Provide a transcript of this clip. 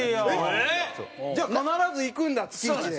じゃあ必ず行くんだ月１で。